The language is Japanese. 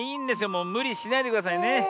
もうむりしないでくださいね。